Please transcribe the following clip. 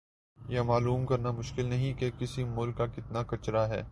یہ معلوم کرنا مشکل نہیں کہ کس ملک کا کتنا کچرا ھے